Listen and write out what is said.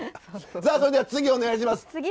さあそれでは次お願いします。